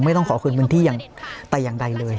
ไม่ต้องขอคืนเงินที่อย่างใดเลย